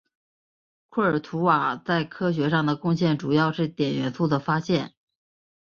库尔图瓦在科学上的贡献主要是碘元素的发现。